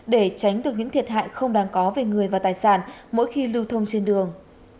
để tránh được những thiệt hại không đáng có về người và tài sản mỗi khi lưu thông trên đường